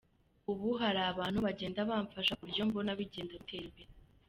Ubu hari abantu bagenda bamfasha ku buryo mbona bigenda bitera imbere.